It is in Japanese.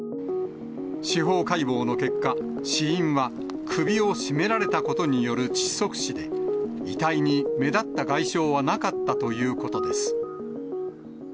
司法解剖の結果、死因は首を絞められたことによる窒息死で、遺体に目立った外傷はなかったということです。